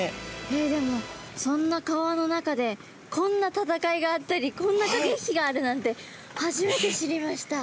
えっでもそんな川の中でこんな戦いがあったりこんなかけ引きがあるなんて初めて知りました。